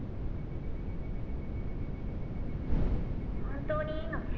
本当にいいのね？